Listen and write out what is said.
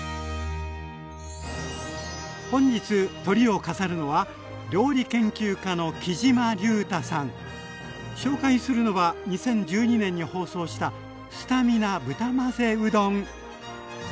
本日トリを飾るのは紹介するのは２０１２年に放送したスタミナ豚混ぜうどん。